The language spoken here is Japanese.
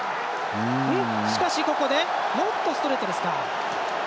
しかし、ここでノットストレートですか。